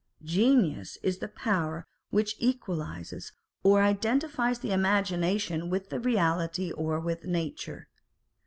Genius is the power which equalises or identifies the imagination with the reality or with nature.